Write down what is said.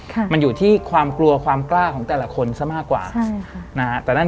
ของคนทำมันอยู่ที่ความกลัวความกล้าของแต่ละคนซะมากกว่านะ